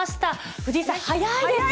藤井さん、早いです。